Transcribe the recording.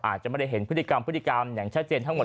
อาจจะไม่ได้เห็นพฤติกรรมแห่งใช่เจนทั้งหมด